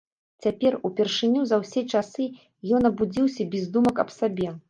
Цяпер, упершыню за ўсе часы, ён абудзіўся без думак аб сабе.